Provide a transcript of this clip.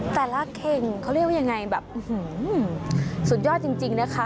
แต่ละเข่งเขาเรียกว่ายังไงแบบสุดยอดจริงนะคะ